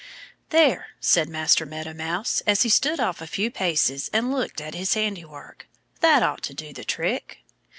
"There!" said Master Meadow Mouse as he stood off a few paces and looked at his handiwork. "That ought to do the trick."